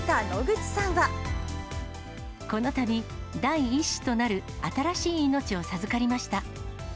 このたび、第１子となる新しい命を授かりました。